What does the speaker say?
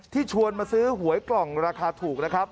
ชวนมาซื้อหวยกล่องราคาถูกนะครับ